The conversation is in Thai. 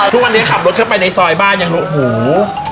ทุกวันนี้ขับรถเข้าไปในซอยบ้านยังโอ้โห